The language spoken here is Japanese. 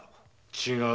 違う。